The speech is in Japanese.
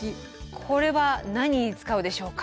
これは何に使うでしょうか？